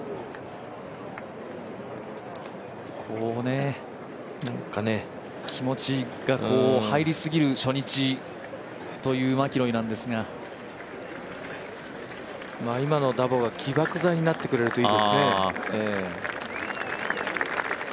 こうね気持ちが、入りすぎる初日というマキロイなんですが今のダボが起爆剤になってくれるといいですね。